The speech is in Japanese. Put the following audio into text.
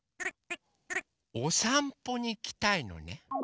おさんぽにいきたいのね。